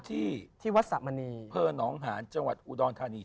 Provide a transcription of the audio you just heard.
ที่ที่วัดสะมณีเผลอหนองหาญจังหวัดอุดรธานี